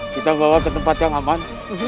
kita bawa ke tempat yang aman